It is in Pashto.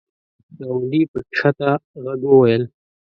ګاونډي په کښته ږغ وویل !